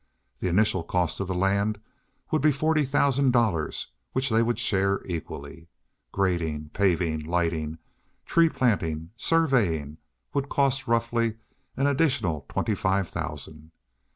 The initial cost of the land would be forty thousand dollars which they would share equally. Grading, paving, lighting, tree planting, surveying would cost, roughly, an additional twenty five thousand.